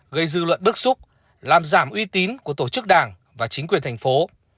gây dư luận bức xúc làm giảm uy tín của tổ chức đảng và chính quyền thành phố